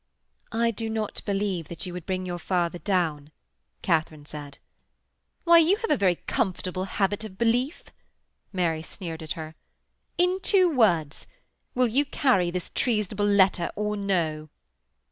'I do not believe that you would bring your father down,' Katharine said. 'Why, you have a very comfortable habit of belief,' Mary sneered at her. 'In two words! Will you carry this treasonable letter or no?'